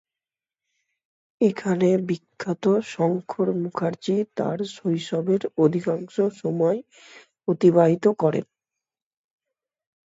এখানে বিখ্যাত শংকর মুখার্জী তাঁর শৈশবের অধিকাংশ সময় অতিবাহিত করেন।